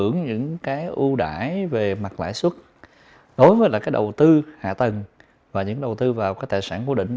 những cái ưu đãi về mặt lãi xuất đối với là cái đầu tư hạ tầng và những đầu tư vào cái tài sản hữu định